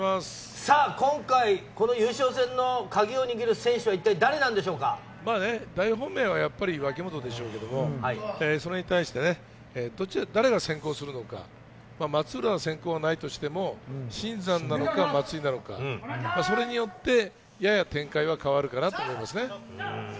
今回、優勝戦のカギを握る選手は一体誰大本命は脇本でしょうけれども、それに対して誰が先行するのか、松浦、先行はないとしても新山なのか松井なのか、それによって、やや展開は変わるかな？ということですね。